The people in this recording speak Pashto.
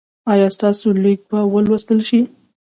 ایا ستاسو لیک به ولوستل شي؟